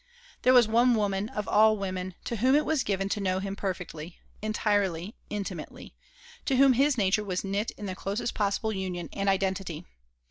There was one woman of all women to whom it was given to know him perfectly, entirely, intimately to whom his nature was knit in the closest possible union and identity.